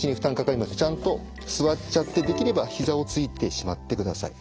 ちゃんと座っちゃってできればひざをついてしまってください。